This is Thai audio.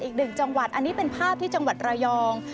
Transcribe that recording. อีกหนึ่งจังหวัดอันนี้เป็นภาพที่จังหวัดระยอง